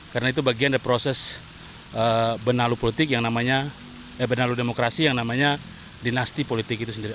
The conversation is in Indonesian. karena itu bagian dari proses benalu demokrasi yang namanya dinasti politik itu sendiri